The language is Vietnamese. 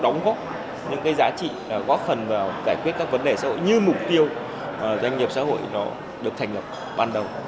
đóng góp những cái giá trị góp phần vào giải quyết các vấn đề xã hội như mục tiêu doanh nghiệp xã hội nó được thành lập ban đầu